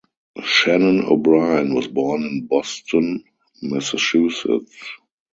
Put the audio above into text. Shannon O'Brien was born in Boston, Massachusetts.